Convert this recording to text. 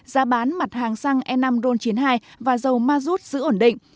giá bán mặt hàng xăng e năm ron chín mươi hai và dầu ma rút giữ ổn định